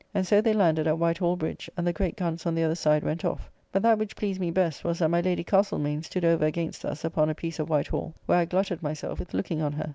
And so they landed at White Hall Bridge, and the great guns on the other side went off: But that which pleased me best was, that my Lady Castlemaine stood over against us upon a piece of White Hall, where I glutted myself with looking on her.